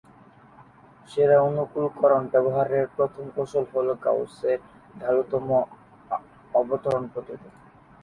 সেরা-অনুকূলকরণ ব্যবহারের প্রথম কৌশল হল গাউসের ঢালুতম-অবতরণ পদ্ধতি।